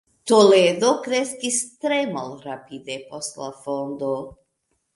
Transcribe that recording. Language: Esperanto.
Toledo kreskis tre malrapide post la fondo.